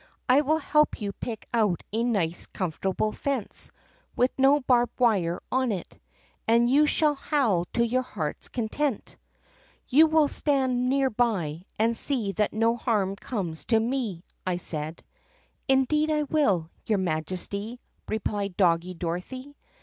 'I will help you pick out a nice comfortable fence, with no barbed wire on it, and you shall howl to your heart's content.' " 'You will stand near by and see that no harm comes to me,' I said. " 'Indeed I will, your Majesty!' replied Doggie Dorothy.